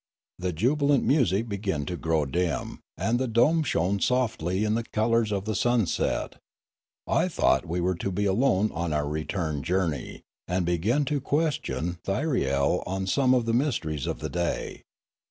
The jubi lant music began to grow dim, and the dome shone softly in the colours of the sunset. I thought we were to be alone on our return journey, and began to ques tion Thyriel on some of the mysteries of the day.